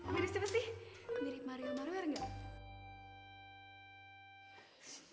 mirip siapa sih mirip mario maruwer gak